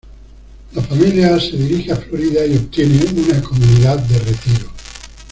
La familia se dirige a Florida, y obtiene una comunidad de retiro.